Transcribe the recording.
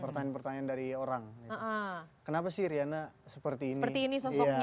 pertanyaan pertanyaan dari orang kenapa sih riana seperti ini